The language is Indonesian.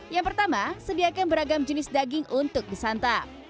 yang pertama sediakan beragam jenis daging untuk disantap